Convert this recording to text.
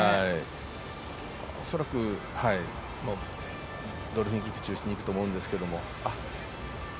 恐らく、ドルフィンキック中心でいくと思うんですけど。